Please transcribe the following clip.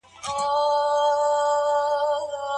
که يوه ښځه زخمي سي نو درملنه يې څوک کوي؟